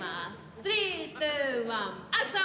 スリー・ツー・ワンアクション！